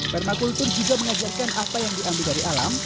permakultur juga mengajarkan apa yang diambil dari alam